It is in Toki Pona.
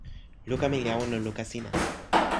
luka mi li awen lon luka sina.